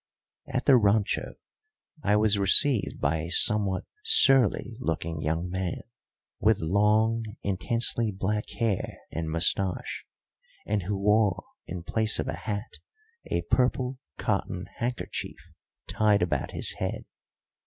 At the rancho I was received by a somewhat surly looking young man, with long, intensely black hair and moustache, and who wore in place of a hat a purple cotton handkerchief tied about his head.